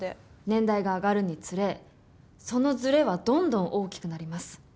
年代が上がるにつれそのずれはどんどん大きくなります。